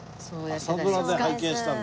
朝ドラで拝見したんだ。